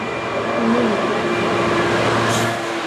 Hon mumlade föraktfullt.